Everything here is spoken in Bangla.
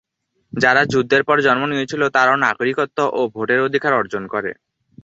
যারা যুদ্ধের পর জন্ম নিয়েছিল তারাও নাগরিকত্ব ও ভোটের অধিকার অর্জন করে।